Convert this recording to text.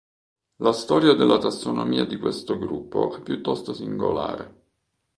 La storia della tassonomia di questo gruppo è piuttosto singolare.